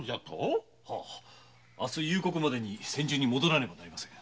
明日夕刻までに千住に戻らねばなりません。